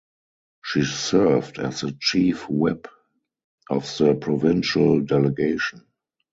She served as the chief whip of the provincial delegation.